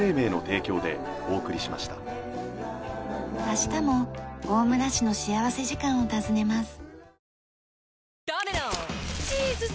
明日も大村市の幸福時間を訪ねます。